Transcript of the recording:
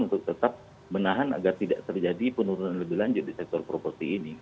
untuk tetap menahan agar tidak terjadi penurunan lebih lanjut di sektor properti ini